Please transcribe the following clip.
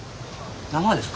生ですか？